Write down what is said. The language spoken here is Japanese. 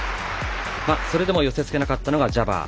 それでも寄せつけなかったのがジャバー。